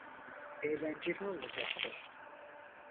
Eğlenceli olacaktır.